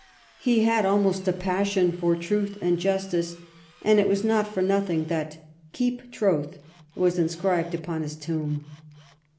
He had almost a passion for truth and justice, and it was not for nothing that "keep troth" was inscribed upon his tomb.